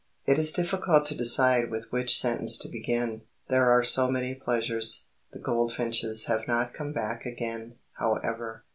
It is difficult to decide with which sentence to begin. There are so many pleasures. The goldfinches have not come back again, however.